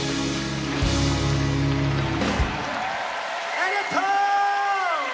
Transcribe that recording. ありがとう！